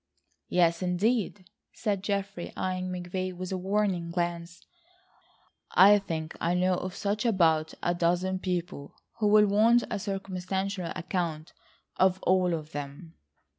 "Yes, indeed," said Geoffrey, eyeing McVay with a warning glance, "I think I know of just about a dozen people who will want a circumstantial account of all of them."